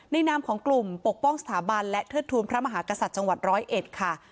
ในนามของกลุ่มปกป้องสถาบันและเทือดทุนพระมหากษัตริย์จังหวัด๑๐๑ค่ะ